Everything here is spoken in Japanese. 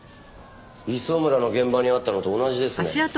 磯村の現場にあったのと同じですね。